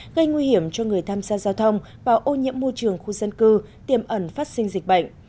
gây nguy hiểm cho người tham gia giao thông và ô nhiễm môi trường khu dân cư tiềm ẩn phát sinh dịch bệnh